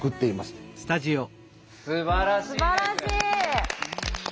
すばらしい！